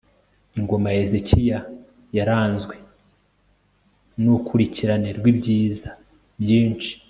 ingoma ya hezekiya yaranzwe n'uukurikirane rw'ibyiza byinshi